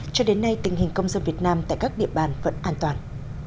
cho đến nay tình hình công dân việt nam tại các địa bàn vẫn an toàn